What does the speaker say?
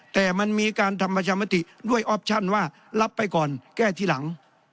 แต่มันมีการทำประชามติด้วยออปชั่นว่ารับไปก่อนแก้ทีหลัง